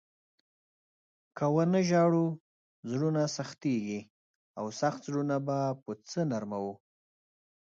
که و نه ژاړو، زړونه سختېږي او سخت زړونه به په څه نرموو؟